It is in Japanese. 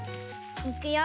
いくよ。